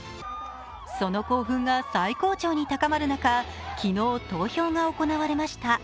その興奮が最高潮に高まる中、昨日投票が行われました。